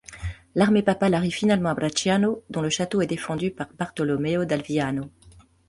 L'armée papale arrive finalement à Bracciano, dont le château est défendu par Bartolomeo d'Alviano.